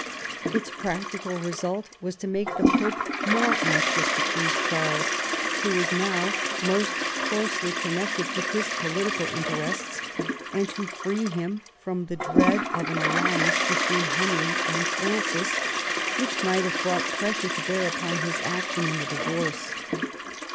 Its practical result was to make the Pope more anxious to please Charles, who was now most closely connected with his political interests, and to free him from the dread of an alliance between Henry and Francis, which might have brought pressure to bear upon his action in the divorce.